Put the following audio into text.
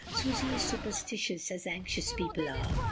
Susy is supersti tious, as anxious people are.